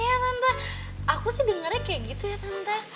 iya tante aku sih dengernya kayak gitu ya tante